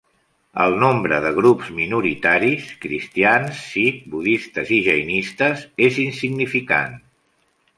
El nombre de grups minoritaris (cristians, sikh, budistes i jainistes) és insignificant.